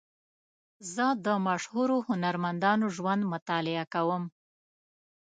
زه د مشهورو هنرمندانو ژوند مطالعه کوم.